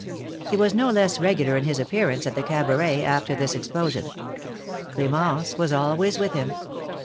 He was no less regular in his appearance at the Cabaret, after this explosion. Cl^mence was always with him.